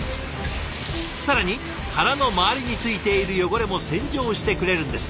更に殻の周りについている汚れも洗浄してくれるんです。